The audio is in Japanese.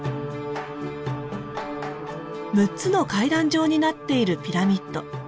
６つの階段状になっているピラミッド。